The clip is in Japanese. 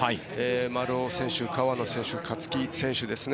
丸尾選手、川野選手勝木選手ですね。